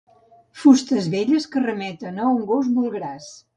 Fustes velles que remeten a un gos molt gras.